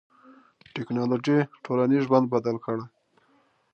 ټکنالوژي ټولنیز ژوند بدل کړی.